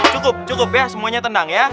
cukup cukup ya semuanya tenang ya